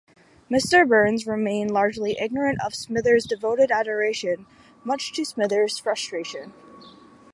Mr. Burns remained largely ignorant of Smithers' devoted adoration, much to Smithers' frustration.